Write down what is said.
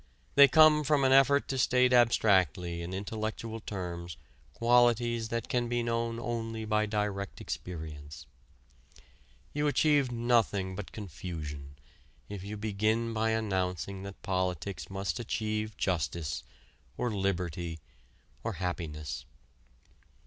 They come from an effort to state abstractly in intellectual terms qualities that can be known only by direct experience. You achieve nothing but confusion if you begin by announcing that politics must achieve "justice" or "liberty" or "happiness."